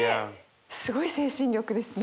すごい精神力ですね。